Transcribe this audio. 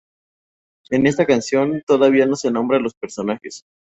En esta canción, todavía no se nombra a los personajes.